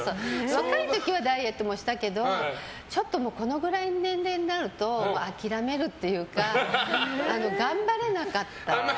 若い時はダイエットもしたけどちょっともうこのぐらいの年齢になると諦めるというか、頑張れなかった。